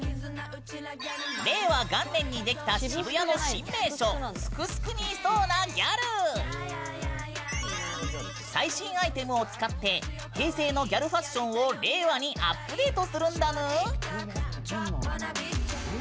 令和元年にできた渋谷の新名所最新アイテムを使って平成のギャルファッションを令和にアップデートするんだぬん！